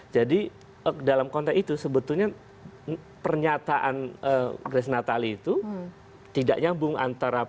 jadi dalam konteks itu sebetulnya pernyataan grace natali itu tidak nyambung antara